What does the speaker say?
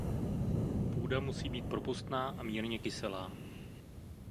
Půda musí být propustná a mírně kyselá.